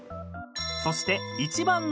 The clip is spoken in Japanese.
［そして］